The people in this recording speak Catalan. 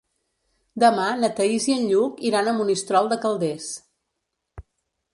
Demà na Thaís i en Lluc iran a Monistrol de Calders.